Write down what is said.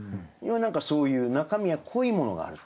そういう中身が濃いものがあると。